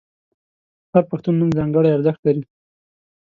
• هر پښتو نوم ځانګړی ارزښت لري.